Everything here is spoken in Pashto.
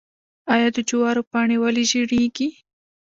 آیا د جوارو پاڼې ولې ژیړیږي؟